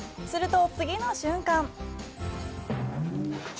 すると、次の瞬間。